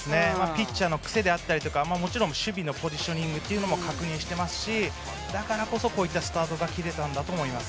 ピッチャーの癖とかもちろん守備のポジショニングも確認していますしだからこそ、このスタートが切れたんだと思います。